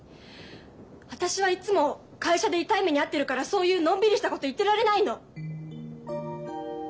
私はいつも会社で痛い目に遭ってるからそういうのんびりしたこと言ってられないの。